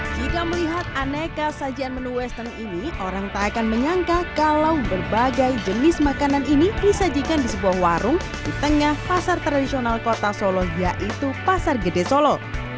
jika melihat aneka sajian menu western ini orang tak akan menyangka kalau berbagai jenis makanan ini disajikan di sebuah warung di tengah pasar tradisional kota solo yaitu pasar gede solo